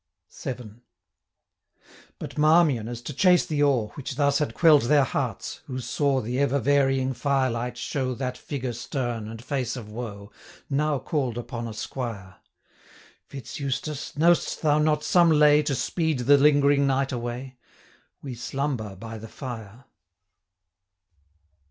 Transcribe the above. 105 VII. But Marmion, as to chase the awe Which thus had quell'd their hearts, who saw The ever varying fire light show That figure stern and face of woe, Now call'd upon a squire: 110 'Fitz Eustace, know'st thou not some lay, To speed the lingering night away? We slumber by the fire.'